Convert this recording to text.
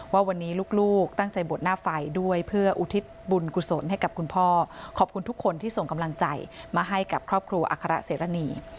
ว่าวันนี้ลูกตั้งใจบวชหน้าไฟด้วยเพื่ออุทิศบุญกุศลให้กับคุณพ่อขอบคุณทุกคนที่ส่งกำลังใจมาให้กับครอบครัวอัครเสรณี